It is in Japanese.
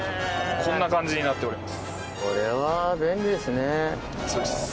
こんな感じになっております。